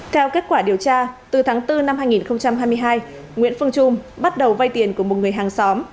theo kết quả điều tra từ tháng bốn năm hai nghìn hai mươi hai nguyễn phương trung bắt đầu vay tiền của một người hàng xóm